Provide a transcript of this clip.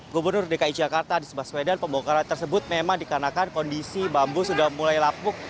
gubernur dki jakarta di sebaswedan pemongkaran tersebut memang dikarenakan kondisi bambu sudah mulai lapuk